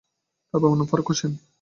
তার বাবার নাম ফারুক হোসেন।